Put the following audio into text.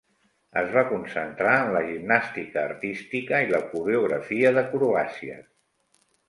Es va concentrar en la gimnàstica artística i la coreografia d'acrobàcies.